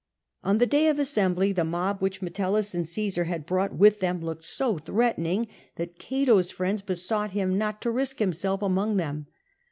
On the day of assembly the mob which Metellus and Caesar had brought with them looked so threatening, that Cato's friends besought him not to risk himself among them.